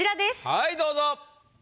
はいどうぞ。